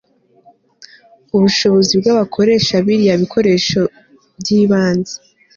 ubushobozi bw'abakoresha biriya bikoresho by'ibanze